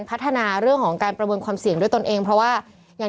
เพื่อไม่ให้เชื้อมันกระจายหรือว่าขยายตัวเพิ่มมากขึ้น